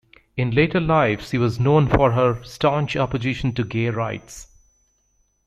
In later life she was known for her staunch opposition to gay rights.